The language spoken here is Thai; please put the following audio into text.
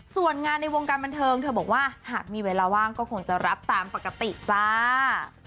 ส่วนงานในวงการบันเทิงเธอบอกว่าหากมีเวลาว่างก็คงจะรับตามปกติจ้า